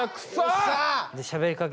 でしゃべりかけて。